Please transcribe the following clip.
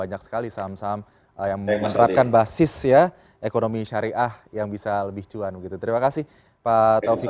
yang menerapkan basis ya ekonomi syariah yang bisa lebih cuan begitu terima kasih pak taufik